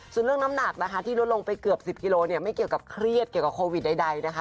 ส่วนเรื่องน้ำหนักนะคะที่ลดลงไปเกือบ๑๐กิโลเนี่ยไม่เกี่ยวกับเครียดเกี่ยวกับโควิดใดนะคะ